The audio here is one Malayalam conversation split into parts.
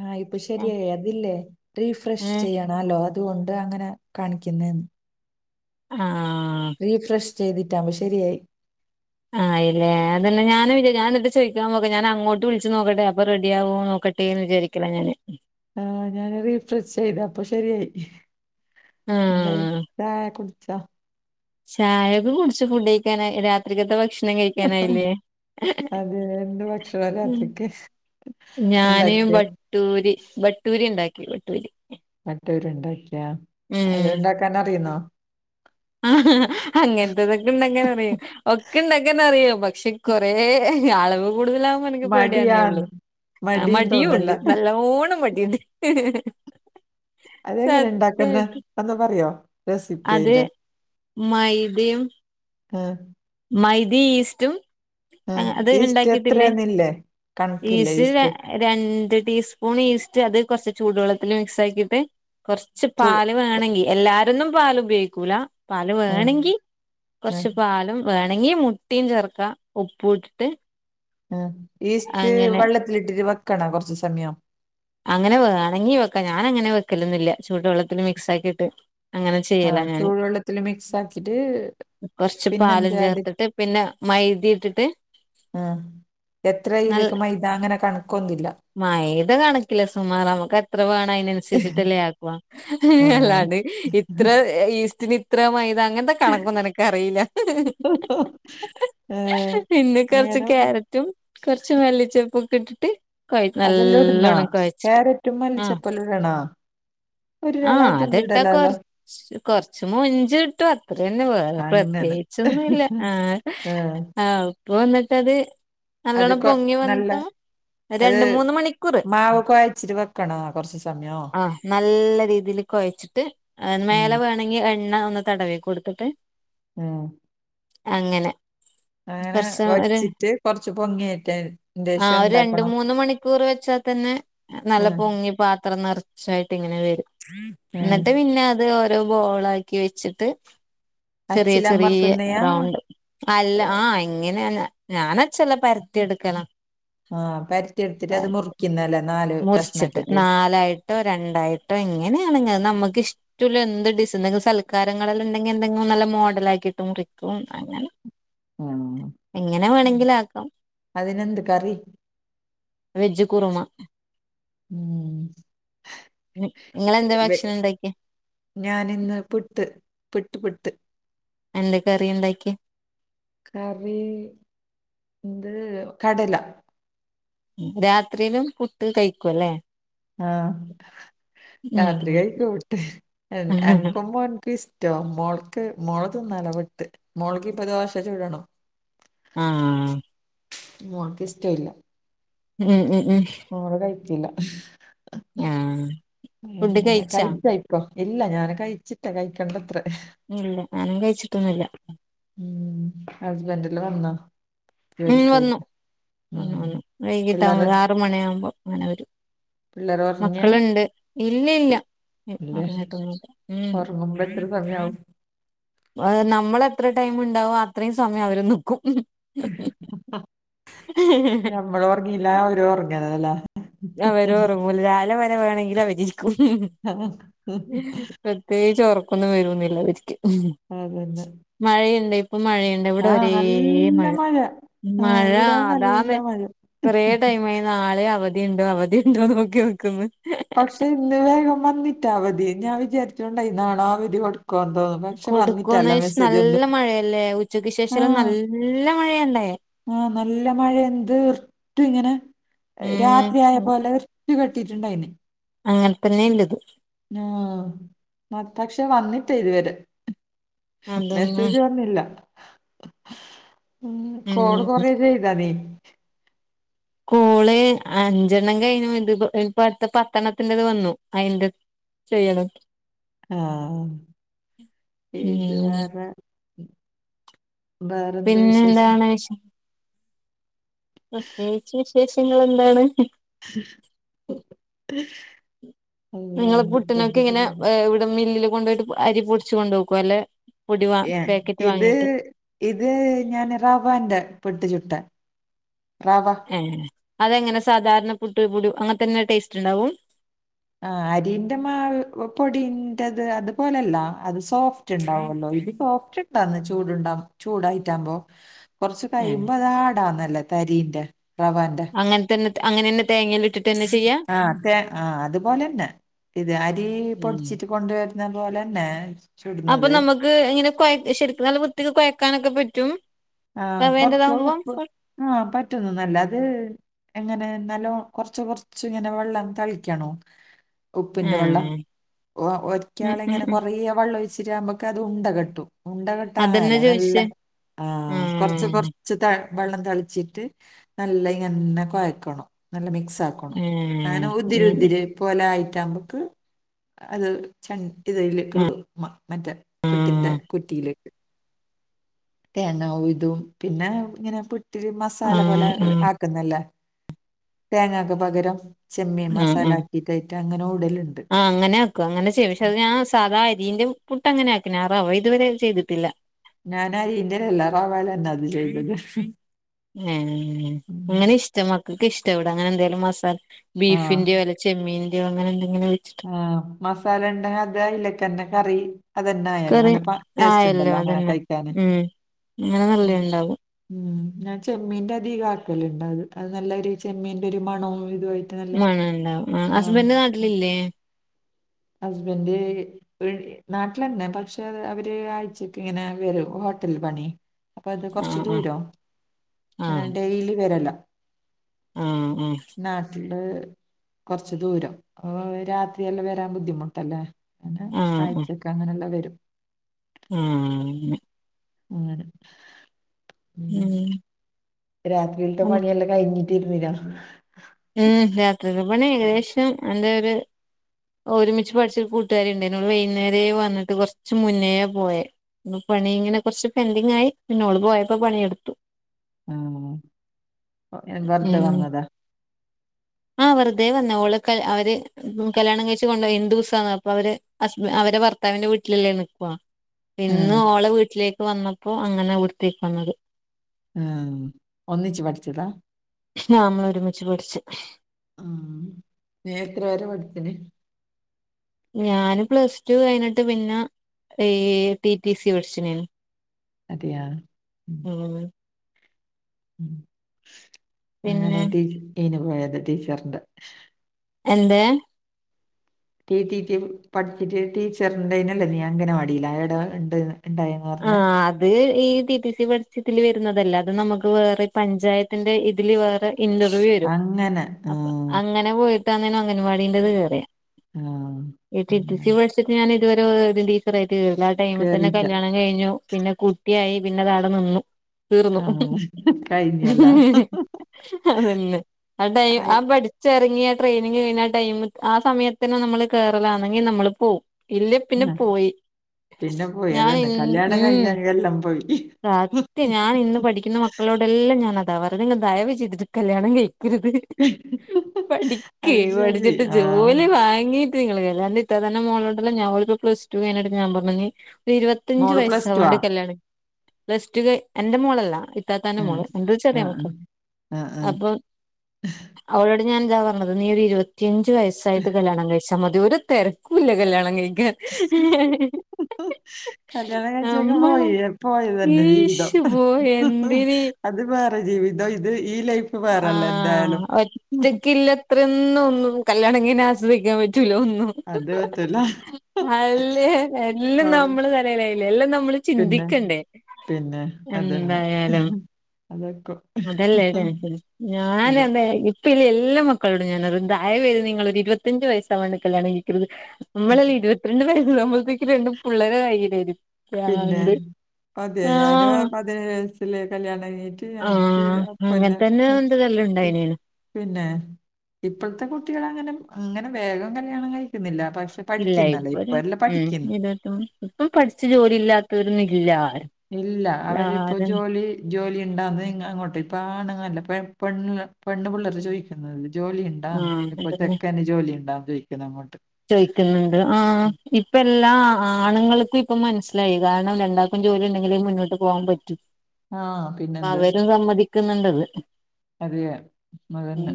ആഹ് ഇപ്പൊ ശരിയയി അതില്ലേ റീഫ്രഷ് ഏഹ് ചെയ്യാ എന്നാ ദേഹത്ത് കൊണ്ട് അങ്ങനെ കാണിക്കുന്നേന്ന് ആഹ് റീഫ്രഷ് ചെയ്തിട്ടാവും ശരിയായി ആഹ് ആയില്ലേ അതന്നെ ഞാനും വിചാ ഞാനന്നിട്ട് ചോയിക്കാൻ നോക്കുവാ ഞാന് അങ്ങോട്ട് വിളിച്ചു നോക്കട്ടെ അപ്പൊ റെഡിയാവോ നോക്കട്ടെ എന്ന് വിചാരി [unintelligible] ആഹ് ഞാന് റീഫ്രഷ് ചെയ്ത് അപ്പൊ ശരിയായി എന്തായി ആഹ് ചായയൊക്കെ കുടിച്ചോ ചായയോക്കെ കുടിച്ചു ഫുഡ് കഴിക്കാനായി രാത്രിക്കത്തെ ഭക്ഷണം കഴിക്കാനായില്ലേ? അതെ എന്ത് ഭക്ഷണ രാത്രിക്ക് ഇണ്ടാക്ക ബട്ടൂരെ ബട്ടൂരി ഇണ്ടാക്കി ബട്ടൂരി ബട്ടൂര ഇണ്ടാക്കിയാ ഉം അത് യിണ്ടാക്കാൻ അറിയുന്നോ ആ അങ്ങനത്തെതൊക്കെ ഇണ്ടക്കാൻ അറിയാം ഒക്കെ ഇണ്ടാക്കാനറിയും പക്ഷേ കൊറേ അളവ് കൂടുതലാവ ആണെങ്കി പേടിയാന്നേ ഉള്ളു മടിയാന്ന് ആ മടിയും ഉണ്ട് നല്ലോണം മടിയുണ്ട് അതെങ്ങനെ ഇണ്ടാക്കന്നെ സത്യായിട്ട് ഒന്ന് പറയ്യോ അത് മൈദെയും ആഹ് മൈദി ഈസ്റ്റും ആ ആഹ് അത് ഈസ്റ്റ് ഇണ്ടാക്കീട്ടില്ലേ എത്രന്നില്ലേ കണക്കില്ലേ ഈസ് ഈസ്റ്റ് രണ്ട് ടീസ്പൂൺ ഈസ്റ്റ് അത് കൊർച്ച് ചൂടുവെള്ളത്തില് മിക്സാക്കീട്ട് കൊർ ച്ച് ചുള് പാല് വേണെങ്കി എല്ലാരൊന്നും പാലുപയ്ക്കൂല പാല് ആ വേണെങ്കി ആ കൊർച്ച് പാലും വേണെങ്കി മുട്ടിം ചേർക്കാ ഉപ്പൂട്ടിട്ട് ആ ഈസ്റ്റ് വെള്ളത്തിലിട്ടിട്ട് വെക്കണ കൊറച്ചു സമയം അങ്ങനെ വേണെങ്കി വെക്കാം ഞാനങ്ങനെ വെക്കലൊന്നില്ല ചൂട് വെള്ളത്തിൽ മിക്സ് ആക്കിയിട്ട് അങ്ങനെ ചെയ്യല ആഹ് ഞാന് ചൂടുവെള്ളത്തില് മിക്സ് ആക്കിട്ട് കൊറച്ച് പാല പിന്നെന്താ അത് ചേർത്തിട്ട് പിന്നെ മൈദെ ഇട്ടിട്ട് ആഹ് എത്രെ ഇയ്ലേക്ക് മൈദാ അങ്ങനെ കണക്കൊന്നുല്ല മൈദത കണക്കില്ല സുമാറാ നമക്കെത്ര വേണം അയ്നൻ ഷിചിട്ടല്ലേ ആക്ക്വ ആഹ് അല്ലാണ്ട് ഇത്ര ഈസ്റ്റിന് ഇത്ര മൈദ അങ്ങൻത്തെ കണക്കൊന്നെനക്ക് അറീല്ല ഓഹ് പിന്നെ കൊർച്ച് ക്യാരറ്റും കൊർച്ച് മല്ലിച്ചപ്പൊക്കെട്ടിട്ട് കൊയ് അതെല്ലാം ഇടുന്നാ നല്ലൊണ്ണം കൊയ്ച്ചിട്ട് ക്യാരറ്റും ആഹ് മല്ലിച്ചപ്പലും ഇടണോ ആ ഒരാള് അതൊന്നും അതിട്ട ഇടലാലോ കൊറച്ച് കൊറച്ച് മൊഞ്ച്കിട്ടും അത്ര തന്നെ വേറെ അങ്ങനെ പ്രത്യേകിച്ച് പച്ചൊന്നുംല്ല ആ ആഹ് ആഹ് ഇപ്പ വന്നിട്ടത് അത് നല്ലോണം കൊ പൊങ്ങി നല്ല വന്ത അത് രണ്ട് മൂന്ന് മണിക്കൂർമതി മാവ് കൊഴച്ചിട്ട് വെക്കണോ കൊറച്ച് സമയോ ആ നല്ല രീതിൽ കുഴച്ചി ട്ട് ഉം മേലെ വേണമെങ്കി എണ്ണ ഒന്ന് തടവി കൊടുത്തിട്ട് ആഹ് അങ്ങനെ അങ്ങനെ കുറച്ച ആ ഒരു വച്ചിട്ട് കുറച്ച് പൊങ്ങിയതിന്റെ ശേഷം ആഹ് രണ്ട് എന്താക്കണം മൂന്ന് മണിക്കൂറ് വെച്ചാ തന്നെ നല്ല ഉം, പൊങ്ങി പാത്രം നിറ ചായിട്ട് ഇങ്ങനെ വരും ഉം. എന്നിട്ട് പിന്നെ അത് ഓരോ ബോളാക്കി വെച്ചിട്ട് ചെറിയ ചെറിയ അച്ചിലമ്മർത്ത്ന്നെ റൗണ്ട് അല്ല ആഹ് ഇങ്ങനെയ ഞാനച്ചല്ല പരത്തി എടുക്കണം ആഹ് പരത്തി എടുത്തിട്ട് അത് മുറിക്കുന്നല്ലേ നാല് കഷ്ണക്കിട്ട് നാലായിട്ട് ട്ടോ രണ്ടായിട്ടോ എങ്ങനെയാണെ നമുക്ക് ഇഷ് എന്ത് ഡിസ എന്തെങ്കിലും സൽക്കാരങ്ങൾ ഉണ്ടെങ്കിൽ എന്തെങ്കിലും നല്ല മോഡൽ ആക്കിയിട്ട് മുറിക്കും അങ്ങനെ ഉം. എങ്ങനെ വേണെങ്കിലാക്കാം അതിനെന്ത് കറി വെജ്ജ് കുറുമ നിങ്ങളെന്താ വെച് ഭക്ഷണം ഉണ്ടാക്കിയെ ഞാനിന്ന് പുട്ട് പുട്ട് പുട്ട് എന്ത കറിയി ണ്ടാക്കി-? - കറി ന്ത് കടല രാത്രിയിലും പുട്ട് കഴിക്കു ല്ലേ ആഹ് രാത്രി ഉം കഴിക്കോപുട്ട് എ അനക്കുമ്പോനക്ക് ഇഷ് ട്ടൊ മോൾക് മോൾക് തിന്നലപിട്ട് മുളക്കിപ്പ ദോശ ചുടണം ആഹ് മോൾ ക്ക് ഇഷ്ട ഇല്ല. ഉം ഉം ഉം. മോള് കഴക്കില്ല [unintelligible] ആഹ് ഫുഡ് എങ്ങനെ കഴിച്ചാ കഴി കഴി ഇല്ല ഞാന് കഴിച്ചിട്ട കഴിക്കണ്ടത്രെ. ഇല്ല ഞാനും കഴിച്ചിട്ടൊന്നുല്ല. ഉം ഹസ്ബൻഡില് വന്നോ? ഉം ജോലിക്ക് പോയി വന്നു വന്നു ഉം വന്നു വൈകിട്ട പിള്ളേര് ആകുമ്പ ആറ് മണിയാ കുമ്പോ ഇങ്ങനെ വരും. പിള്ളേര് ഉറങ്ങിയ മക്കളുണ്ട് ഇല്ല ഇല്ല ഇല്ലേ പറഞ്ഞിട്ടൊന്നുല്ലാ ഉം... ഉറങ്ങുമ്പോ എത്ര സമയാവും? അത് നമ്മള എത്ര ടൈം ഇണ്ടാവും അത്രയും സമയം അവര് ന്നിക്കും. ഞമ്മള് ഒറങ്ങീല്ല അവര് ഒറങ്ങലാല്ലേ? അവര് ഉറങ്ങൂല്ല രാവലെവരെ വേണങ്കിലു അവരിരിക്കും. ആഹ ഹ് പ്രത്യേകിച്ച് ഒറക്കൊന്നും വരൊന്നുന്നില്ല അവരീക്ക് അത് ന്നെ. മഴയെണ്ട് ഇപ്പം മഴയുണ്ട് ഇവിടെ ഒരേ മഴ ആ മഴ ഇവിടെ നല്ല അതാന്ന് മഴ കുറേ ടൈം ആയി നാളെ അവ ധി ഉണ്ടോ അവധിയ ഉണ്ടോ നോക്കി നീക്കുന്ന്. പക്ഷെ ഇന്ന്ലേ വേഗം വന്നിട്ടാ അവധി ഞാൻ വിചാരിച്ചട്ടുണ്ടായിന്നാണോ അവധി കൊടുക്കന്തോ? കൊടുക്കുംന്ന് നല്ല മഴയല്ലേ ഉച്ചക്ക് ശേഷം ആ എല്ലാം നല്ല.. മഴയുണ്ടായേ. ആ നല്ല മഴയ എന്ത് നിർത്ത് ഇങ്ങനെ ഉം രാത്രിആയ പോലെ ഇടിവെട്ടിട്ടുണ്ടായിനേ. അങ്ങനെ തന്നെയ ഇന്റത് ആഹ് പ പക്ഷെ വന്നിട്ട ഇതുവരെ അതന്നെ മെസ്സേജ് വന്നില്ല. ഉം കോള് ഉം കൊറേ ചെയ്താതി കോള് അഞ്ചെണ്ണം കഴിഞ്ഞു ഇത് ഇപ്പ അടുത്ത പത്തെണ്ണത്തിന്റേത് വന്നു അയിന്റെ. ചെയ്യണം. ആഹ് ഇത് ഉം വേറെ വേറെന്ത് പിന്നെ വിശേഷം എന്താണ്? വിശ് പ്രത്യേകിച്ച് വിശേഷങ്ങൾ എന്താണ്? [unintelligible] അള്ളാ നിങ്ങള് എന്തൊക്കെണ്ട് പുട്ടനൊക്കെ ഇങ്ങനെ പറയുന്നെ ഇവിടെ മില്ലില് കൊണ്ടു പോയിട്ട് അരി പൊടിച്ച് കൊണ്ടുക്കു ല്ലെ പൊടി ഏഹ് പാക്കറ്റ് ഇത് വാങ്ങിയിട്ട് ഇത് ഞാന് റവാന്റെ പുട്ടു ചുട്ടേ റവാ ഏഹ് അതെങ്ങനെ സാധാരണ പുട്ട് പുടി അങ്ങനത്തെ തന്നെ ടേസ്റ്റ് ഉണ്ടാവും. ആഹ് അരിന്റെ മാവ് പൊടീന്റത് അതുപോലല്ല അത് സോഫറ്റ് ണ്ടാവല്ലോ ഇതിപ്പ [unintelligible] ഇണ്ടന്ന് [unintelligible] ചൂട്ണ്ട ചൂടായിറ്റാമ്പോ കൊറച്ച് ഉം കഴിയുമ്പോ അത്ടാന്നല്ലേ തരിന്റെ റവാന്റെ അങ്ങനെ തന്നെ അങ്ങന തന്നേ തേങ്ങലി ട്ട് ആഹ് അതേ ആഹ് അതുപോലെന്നെ. ഇതാ അരി ഉം പൊടിച്ചിട്ട് കൊണ്ടുവരുന്ന പോലെന്നെ ചുടുന്നത്. ഇത് ഇങ്ങനെ കൊയ ശരിക്കും നല്ല വൃത്തിക്ക് കുഴയ്ക്കാനൊക്കെ പറ്റും റവേന്റേതാകുമ്പം? ആഹ് പറ്റുന്നു നല്ല അത് എങ്ങനെ നല്ലോ കൊറച്ച് കൊറച്ച് ഇങ്ങനെ വെള്ളം തളിക്കണോ ഉപ്പിന്റെ വെള്ളം ഏഹ് ഉം ഒരിക്കള ഉം ഇങ്ങനെ ഉം കൊറേ വെള്ളം ഒഴിച്ചിട്ടകുമ്പോക്ക അത് ഉണ്ട കെട്ടും ഉണ്ട അതന്നെ കിട്ടാല്ല നല്ല ചോയിച്ചേ ആ കൊറച്ച് ആഹ് കൊറച്ച് വെള്ളം തതിളിച്ചിട്ട് നല്ല ഇങ്ങനെ കുഴക്കണം നല്ല മിക്സ് ആക്കണം ഏഹ് അങ്ങനെ ഉം ഒതിരിുതിരി പോലെ ആയിട്ട നമ്മക്ക് അത് ച ഇതലക്ക ഉം ഇടും മറ്റേ പുട്ടിന്റെ ആഹ് കുട്ടിയിലേക്ക് തേങ്ങ അതും പിന്നെ ഇങ്ങനെ പുട്ടില് മസാല പോലെ ആഹ് ആഹ് ആക്കുന്നല്ലേ തേങ്ങക്പകരം ചെമ്മീൻ ആഹ് മസാല ഈ തൈറ്റ അങ്ങനെ ഉടലുണ്ട് ആഹ് അങ്ങനെയ ആക്കും അങ്ങനെ ചെയ്യും പക്ഷെ അത് ഞാ സാദാഅരിീന്റെ പുട്ട അങ്ങനെ ആക്കിന ഞാ റവ ഇതുവരെ ചെയ്തിട്ടില്ല ഞാനരീൻാലല്ല റാ വേലന്നാ അത് ചെയ്തത് ആ ഉം. അങ്ങനെ ഇഷ്ടം മക്കൾക്ക് ഇഷ്ട ഇവിട അങ്ങനെ എന്തേലും മസാല ആ ബീഫിന്റെ വല ചെമ്മീന്റെോ അങ്ങനെ എന്തെനെ വെട്ട് ആഹ മസാല ഉണ്ട അതായില്ലേക്കന്നെ കറി അതന്നെ ആായല്ലോ കറി നല്ല ടേസ്റ്റ് ആയല്ലോ ഉണ്ടല്ലോ അങ്ങനെ അതന്നെ കഴിക്കാന് ഉം അങ്ങനെ നല്ല ഉണ്ടാവും ഉ ഞാൻ ചെമ്മീന്റെ അധിക ആാക്കലുണ്ട അത് അത് നല്ല ഒരു ചെമ്മീന്റെ ഒരു മണവും ഇതുമായി് മണ ഉണ്ടാവും ആ ഹസ്ബൻഡൻ്റ് നാട്ടിലില്ലേ ഹസ്ബൻഡ് നാട്ടിലന്നെ പക്ഷെ അവര് ആഴ്ചക്ക് ഇങ്ങനെ വരും ഹോട്ടൽ പണിയാ അപ്പൊ അത് ആ കൊറച്ച് ആ ദൂരോ ആ അങ്ങനെ ഡെയ്ലി വരലാ ആഹ് ആഹ് നാട്ടില് കൊറച്ച ദൂരം രാത്രിയെല്ലാം വരാൻ ബുദ്ധിമുട്ടല്ലേ പിന്നെ ആ കഴ്ചക്കെ അങ്ങനെല്ലാം വരും ഉം ആ ഉ ഉം രാത്രിയിലത്തെ ഉം പണിയെല്ലാം കഴിഞ്ഞിട്ട ഇരുന്നിനൊ ഉം രാത്രില് പണി ഏകദേശം എന്താ ഒരു ഒരുമിച്ച് പഠിച്ചൊരു കൂട്ടുകാരിണ്ടേന് വൈകുന്നേരേ വന്നിട്ട് കുറച്ച് മുന്നേ പോയേ പണി ഇങ്ങനെ കുറച്ച് പെൻഡിങ് ആയി പിന്നോ ഓള് പോയപ്പോ പണിയെടുത്തു ആഹ് വെറുതെ ഉം വന്നതാ ആ വെറുതെ വന്ന ഓളെ അവര് കല്യാണം കഴിച്ച് കൊണ്ടോയ് ഇന്ദുസാ അപ്പൊ അവര് ഹസ്ബ അവടെ ഭർത്താവിന്റെ വീട്ടിലല്ലേ നിക്കുവാ ഇന്ന് ആഹ് ഓളെ വീട്ടിലേക്ക് വന്നപ്പോ അങ്ങനെ ഇവിടുത്തേക്ക്‌ വന്നത് ആഹ് ഒന്നിച്ച് പഠിച്ചതാ നമ്മള് ഒരുമിച്ച് പഠിച്ചു ആഹ് നീ എത്ര വരെ പഠിച്ച്ണ് ഞാന് പ്ലസ് ടു കഴിഞ്ഞിട്ട് പിന്നെ ഈ ടി ടി സി പഠിച്ച [unintelligible] അതെയാ ഉം ഉം അങ്ങനെ പിന്നെ ടി ടി ന് പോയത് ടീച്ചറിന്റെ എന്തേ ടി ടി പഠിച്ചിട്ട് ടീച്ചർന്റെനല്ലേ നീ അംഗനവാടിലായെടാ ഇണ്ട് ആഹ് അ അത് ഈ ടി ടി സി പരസ്യത്തില് വരുന്നതല്ലേ അത് നമുക്ക് വേറെ പഞ്ചായത്തിന്റെ ഇതില് വേറെ ഇന്റർവ്യൂ വരും അങ്ങനെ അപ്പ ആഹ് അങ്ങന അങ്ങനെ പോയിട്ട് അങ്ങനെ അംഗനവാടിനന്റെത് കേറിയ് ആഹ് ഈ ടി ടി അങ്ങനെ സി പഠിച്ച് ഞാന് ഇതുവരെ ടീച്ചറായിട്ട്ആട്ട് കേ ആ ടൈമിൽ തന്നെ കേറിറ്റ കല്യാണം കഴിഞ്ഞു പിന്നെ കുട്ടിയായി പിന്നെ അത് അവിടെ നിന്നു തീർന്നു ആഹ് കഴിഞ്ഞല്ല മ് മ് മ് അതന്നെ ആ ടൈ ആ ആയി പഠിച്ചിറങ്ങിയ ആ ട്രെയിനിങ് കഴിഞ്ഞ ആ ടൈമ് ആ സമയത്തന്നെ നമ്മള് കേറളാണെങ്കി നമ്മള് പോവും ഇല്ലേ പിന്നെ ആഹ് പോയി പിന്നെ പോയി ഞാൻ അതന്നെ കല്യാണം ഉം കഴിഞ്ഞ എല്ലാം പോയി സത്യാ ഞാൻ ഇന്ന് പഠിക്കുന്ന മ മക്കളോടെല്ലാം ഞാനതാ പറഞ്ഞേ നിങ്ങള് ദയവ് ചെയ്തിട്ട് കല്യാണം കഴിക്കരുത് പഠിക്കേ അത് ശരി പഠിച്ചിട്ട് ആഹ് ജോലി വാങ്ങി നിങ്ങള്ൾല്ല [unintelligible] മോളുണ്ടല്ലോ ഞ പ്ലസ് ടു കിട്ട് ഞാൻ പറഞ്ഞു [unintelligible] ഇരുപത്തഞ്ച് മോള് പ്ലസ് ടു ആ വയസ്സാവാണ്ട് കല്യാണം പ്ലസ്ടു കയ് എന്റെ മോളല്ല ഇത്താത്താന്റെ ആഹ് മോള് എന്റെ ചെറിയ ആഹ് മക്കള് ആഹ് ആഹ് അപ്പൊ അവളോട് ഞാൻ ഇതാ പറഞ്ഞത് നീ ഒരു ഇരുപത്തിയഞ്ച് വയസ്സായിട്ട് കല്യാണം കഴിച്ച ക്ഷെ മദൂര തെരക്കൂലാ കല്യാണം കഴിക്കാൻ കല്യാണം കഴ്ച്ചൊക്കെ നമ്മള് പോയി പോയതന്നെ ജീവിതം ഈശ് പോയി എന്തിന് അത് വേറെ ജീവിതം ഇത് ഈ ലൈഫ് വേറല്ല ആഹ് എന്തായാലും ഒറ്റക്കില്ല അത്രയൊന്നും ഒന്നും കല്യാണം കഴിഞ്ഞ ആസ്വദിക്കാൻ പറ്റൂല ഒന്നും അത് പറ്റൂല അല്ല എല്ലാം ആ, നമ്മള് തലയിലായിലേ എല്ലാം നമ്മള് പിന്നെ ചിന്തിക്കണ്ടേ പിന്നെ അതന്നെ എന്തായാലും അതൊക്കെ അതല്ലേ ഞാന അതെ ന്താ... ഇപ്പെ എല്ലാ മക്കളോടും ഞാൻ പറിൽ ണ്ട് ദയവ്യ്ത് നിങ്ങളൊരിരുപത്തഞ്ചു വയസ്സ ആവാതെ കല്ലിയാണം കഴിക്കരുത്.. മ്മളെല്ലാ ഇരുപത്തി രണ്ട് വയസ്സായപ്പഴ്ത്തേക്ക് രണ്ടും പുള്ളേരാ കയ്യിത്തെരും പിന്നെ ആഹ് രസല്ലേ കല്യാണം കയ്ഞ്ഞിട്ട് ആഹ് അങ്ങനെ തന്നെ എന്തോ വെല്ലോം ഇണ്ടായിനേന് പിന്നെ ഇപ്പോൾത്തെ കുട്ടികള് അങ്ങനെ അങ്ങനെ വേഗം കല്യാണം കഴിക്കുന്നില്ല പക്ഷെ ഇല്ലേ പഠിക്കുന്നല്ല ഇപ്പൊ ഒരു ഇപ്പ എല്ലാം ഉം പഠിക്കുന്നു ഇരുപത്തിമൂന്ന് ഇപ്പം പഠിച്ച ജോലി ഇല്ലാത്തവരൊന്നും ഇല്ല ഇല്ല അവരിപ്പോ എല്ലാരും ജോലി ജോലി ഇണ്ടാന്നേ നിങ്ങ അങ്ങോട്ടെ ഇപ്പ ആണ്ങ്ങളല്ല പെണ്ണ് പെണ്ണ് പിള്ളേരാ ചോദിക്കുന്നത് ജോലി ഡാ ആഹ് ഇപ്പൊ അതന്നെ ചെക്കന് ജോലി ഉണ്ടാന്ന് ചോയിക്കണ് അങ്ങോട്ട്. ചോയിക്കുന്നുണ്ട് ആ ഇപ്പ എല്ലാ ആണുങ്ങൾക്കും ഇപ്പ മനസ്സിലായി കാരണം രണ്ടാ.. ഇപ്പം ജോലി ഉണ്ടെങ്കിലെ മുന്നോട്ട് പോകാൻ പറ്റും ആ പിന്നെന്ത് അവരും സമ്മതിക്കുന്നുണ്ടത്. അതെ മതന്ന ഉം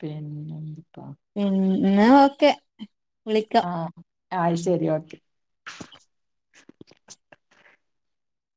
പിന്നന്ത്പ്പാ. ഉ എന്ന ഓക്കെ വിളിക്ക. ആ ആ ശരി ഓക്കെ.